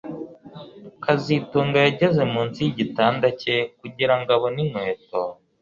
kazitunga yageze munsi yigitanda cye kugirango abone inkweto